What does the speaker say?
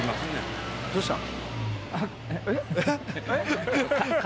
どうしたん？